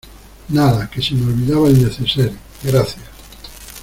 nada, que se me olvidaba el neceser. gracias .